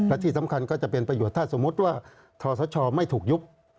และที่สำคัญก็จะเป็นประโยชน์ถ้าสมมุติว่าทศชไม่ถูกยุบ